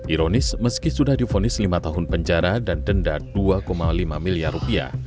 ironis meski sudah difonis lima tahun penjara dan denda dua lima miliar rupiah